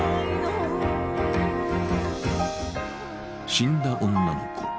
「死んだ女の子」。